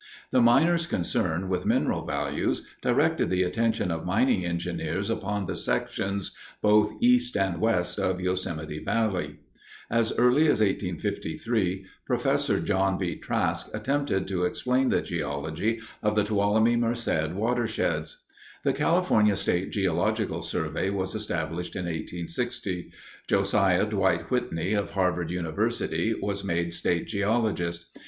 The miners' concern with mineral values directed the attention of mining engineers upon the sections both east and west of Yosemite Valley. As early as 1853 Professor John B. Trask attempted to explain the geology of the Tuolumne Merced watersheds. The California State Geological Survey was established in 1860. Josiah Dwight Whitney, of Harvard University, was made State Geologist.